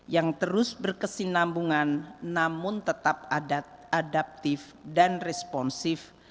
yang terus berkesinambungan namun tetap adaptif dan responsif